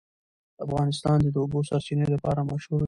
افغانستان د د اوبو سرچینې لپاره مشهور دی.